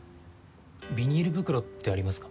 ビニール袋ってありますか？